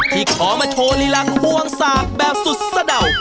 ที่เพ้อมาโชว์ลีลาควงศาภาคแบบสุดสดาว